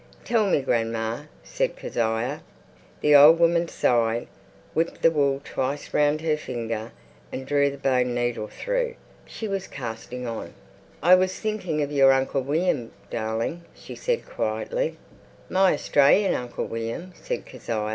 "Tell me, grandma," said Kezia. The old woman sighed, whipped the wool twice round her thumb, and drew the bone needle through. She was casting on. "I was thinking of your Uncle William, darling," she said quietly. "My Australian Uncle William?" said Kezia.